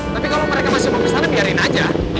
tapi kalo mereka masih mau misalnya biarin aja